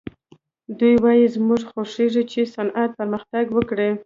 دوی وايي زموږ خوښېږي چې صنعت پرمختګ وکړي